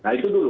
nah itu dulu